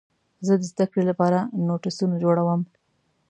زه د زدهکړې لپاره نوټسونه جوړوم.